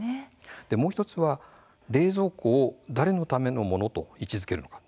もう１つは冷蔵庫を誰のためのものと位置づけるのか。